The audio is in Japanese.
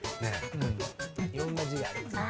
いろんな字がありますからね。